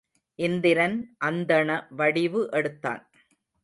இந்திரன் அந்தண வடிவு எடுத்தான்.